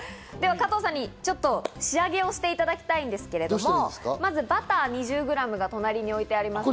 加藤さんに仕上げをしていただきたいんですけど、まず、バター２０グラムが隣に置いてあります。